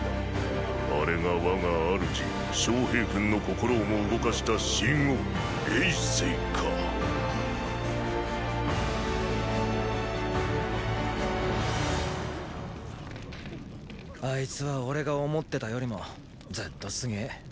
あれが我が主昌平君の心をも動かした秦王政かあいつは俺が思ってたよりもずっとすげェ。